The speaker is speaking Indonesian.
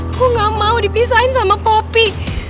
aku gak mau dipisahin sama kopi